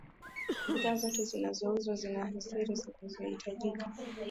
bidhaa zote zinazouzwa zina hirizi zinazohitajika